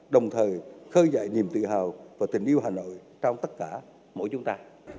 đồng thời khơi dậy niềm tự hào và tình yêu hà nội trong tất cả mỗi chúng ta